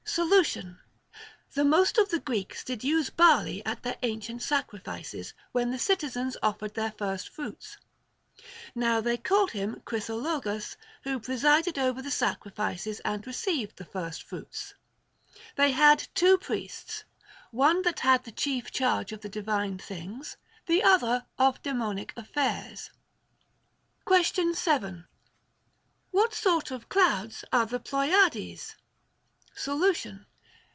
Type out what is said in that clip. Solution. The most of the Greeks did use barley at their ancient sacrifices, when the citizens offered their first fruits ; now they called him Crithologus who presided over the sacrifices and received the first fruits. They had two priests, one that had the chief charge of the divine things, the other of daemonic affairs. Question 7. What sort of clouds are the Ploiades ? Solution.